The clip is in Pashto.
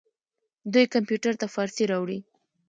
دوی کمپیوټر ته فارسي راوړې.